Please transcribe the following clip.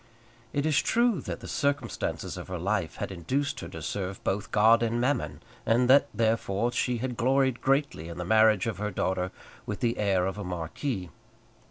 It is true that the circumstances of her life had induced her to serve both God and Mammon, and that, therefore, she had gloried greatly in the marriage of her daughter with the heir of a marquis.